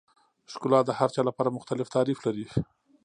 ښکلا د هر چا لپاره مختلف تعریف لري.